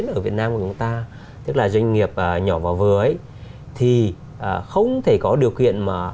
ở việt nam của chúng ta tức là doanh nghiệp nhỏ và vừa thì không thể có điều kiện mà